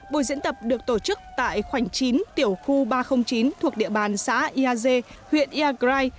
buổi diễn tập được tổ chức tại khoảnh chín tiểu khu ba trăm linh chín thuộc địa bàn xã yaze huyện yagrai